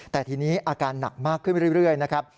แต่ทีนี้อาการหนักมากขึ้นเรื่อยนะครับ